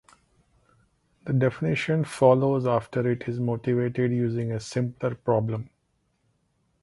The definition follows after it is motivated using a simpler problem.